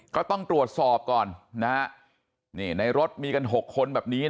ก็ต้องตรวจสอบก่อนในรถมีกัน๖คนแบบนี้